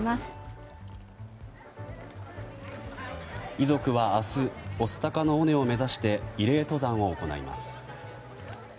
遺族は明日御巣鷹の尾根を目指して慰霊登山を行います。